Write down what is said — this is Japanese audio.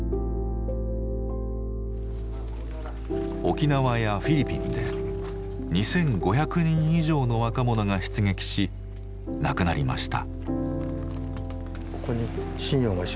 沖縄やフィリピンで２，５００人以上の若者が出撃し亡くなりました。